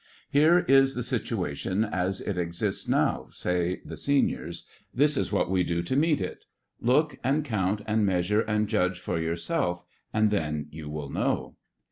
"Here is the situation as it exists now," say the Seniors. "This is what we do to meet it. Look and count and measure and judge for yourself, and then you will know."